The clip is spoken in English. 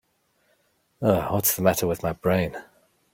What's the matter with my brain?